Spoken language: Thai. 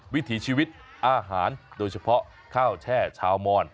วิถีชีวิตอาหารโดยเฉพาะข้าวแช่ชาวมอน